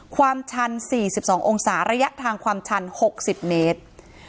ความชัน๔๒องศาระยะทางความชัน๖๐เมตร